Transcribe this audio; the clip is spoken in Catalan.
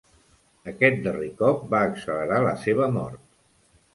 Aquest darrer cop va accelerar la seva mort.